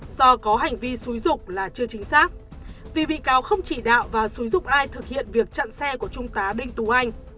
do có hành vi xúi dục là chưa chính xác vì bị cáo không chỉ đạo và xúi dục ai thực hiện việc chặn xe của trung tá đinh tú anh